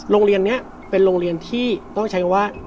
โรงเรียนนี้เป็นโรงเรียนที่ต้องใช้คำว่า